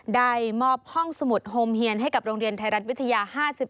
ได้มอบห้องสมุดโฮมเฮียนให้กับโรงเรียนไทยรัฐวิทยา๕๑